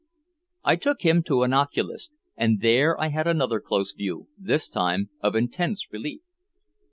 I took him to an oculist, and there I had another close view, this time of intense relief.